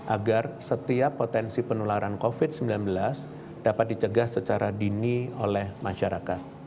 agar setiap potensi penularan covid sembilan belas dapat dicegah secara dini oleh masyarakat